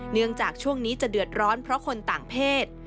เนื่องจากช่วงนี้จะเดือดร้อนเพราะคนต่างเพศ